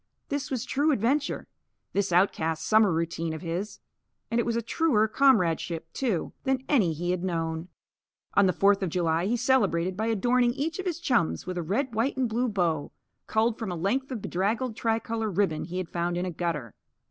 This was true adventure, this outcast summer routine of his. And it was a truer comradeship, too, than any he had known. On the Fourth of July he celebrated by adorning each of his chums with a red white and blue bow, culled from a length of bedraggled tricolour ribbon he had found in a gutter.